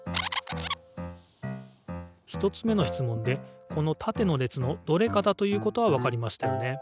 １つ目の質問でこのたての列のどれかだということはわかりましたよね。